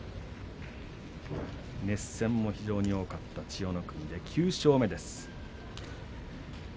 熱戦も多かった千代の国９勝目です。